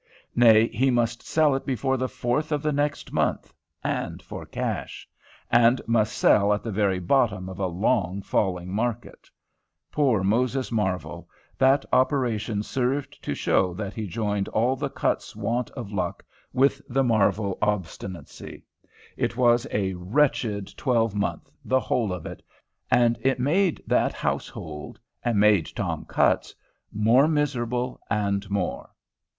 Nay! he must sell it before the fourth of the next month, and for cash; and must sell at the very bottom of a long falling market! Poor Moses Marvel! That operation served to show that he joined all the Cutts want of luck with the Marvel obstinacy. It was a wretched twelvemonth, the whole of it; and it made that household, and made Tom Cutts, more miserable and more.